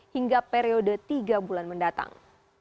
hingga periode tiga bulan mendatang